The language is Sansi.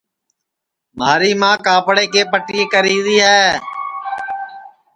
مھاری ماں کاپڑے کے پٹِئیے کری ری ہے